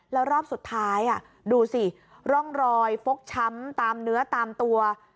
แล้วรอบสุดท้ายดูสิร่องรอยฟกช้ำตามเนื้อตามตัว